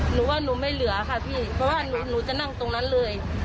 หนูว่าหนูไม่เหลือค่ะพี่เพราะว่าหนูจะนั่งตรงนั้นเลย